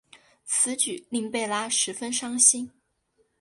此举令贝拉十分伤心。